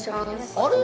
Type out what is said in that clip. あれ？